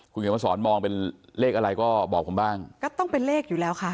คุณเขียนมาสอนมองเป็นเลขอะไรก็บอกผมบ้างก็ต้องเป็นเลขอยู่แล้วค่ะ